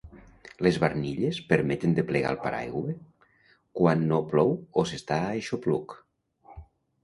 Les barnilles permeten de plegar el paraigua quan no plou o s'està a aixopluc.